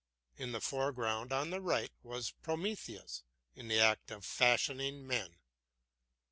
In the foreground, on the right, was Prometheus, in the act of fashioning men.